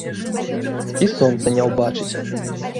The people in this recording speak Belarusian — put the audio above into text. І сонца не ўбачыць.